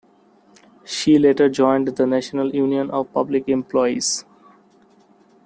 She later joined the National Union of Public Employees.